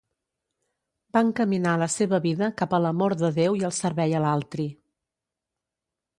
Va encaminar la seva vida cap a l'amor de Déu i el servei a l'altri.